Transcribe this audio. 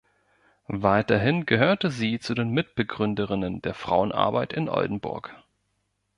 Weiterhin gehörte sie zu den Mitbegründerinnen der Frauenarbeit in Oldenburg.